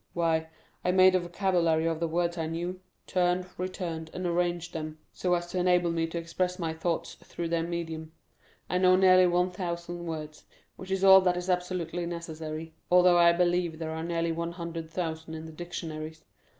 "Why, I made a vocabulary of the words I knew; turned, returned, and arranged them, so as to enable me to express my thoughts through their medium. I know nearly one thousand words, which is all that is absolutely necessary, although I believe there are nearly one hundred thousand in the dictionaries.